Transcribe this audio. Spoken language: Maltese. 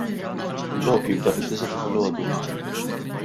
Il-logħob jibda fid-disgħa ta' filgħodu.